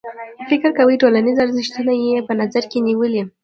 فکر کوي ټولنیز ارزښتونه یې په نظر کې نیولي.